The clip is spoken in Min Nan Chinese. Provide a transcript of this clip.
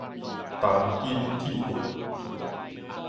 銅筋鐵肋